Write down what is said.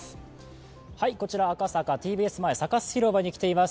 こちら赤坂ＴＢＳ前、サカス広場に来ています。